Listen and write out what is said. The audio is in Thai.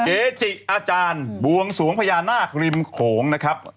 เกจิอาจารย์บวงสวงพญานาคริมโขงนะครับ